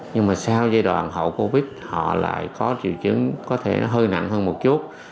nhưng mà sau giai đoạn hậu covid họ lại có triệu chứng có thể hơi nặng hơn một chút